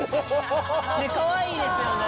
かわいいですよね！